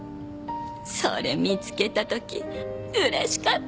それ見つけた時嬉しかった！